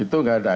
itu enggak ada